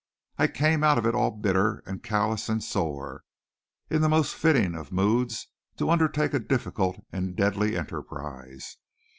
I came out of it all bitter and callous and sore, in the most fitting of moods to undertake a difficult and deadly enterprise.